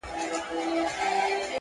د غزل د زلفو تار کي يې ويده کړم;